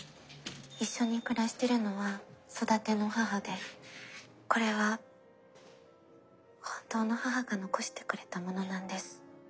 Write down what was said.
一緒に暮らしてるのは育ての母でこれは本当の母が残してくれたものなんです。